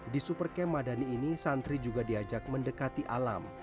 di super camp madani ini santri juga diajak mendekati alam